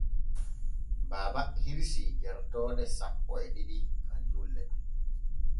Baaba hirsii gertooɗo sappo e ɗiɗi gam julɗe.